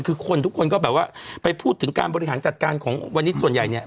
คือคนทุกคนก็แบบว่าไปพูดถึงการบริหารจัดการของวันนี้ส่วนใหญ่เนี่ย